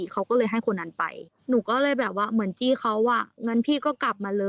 เขาก็ไปแจ้งนะ